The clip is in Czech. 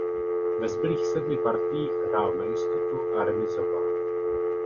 Ve zbylých sedmi partiích hrál na jistotu a remizoval.